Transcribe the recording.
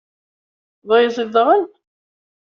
D ayaẓiḍ daɣen?